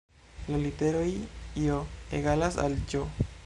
La literoj J egalas al Ĝ